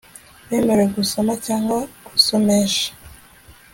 bemerewe gusoma cyangwa gusomesha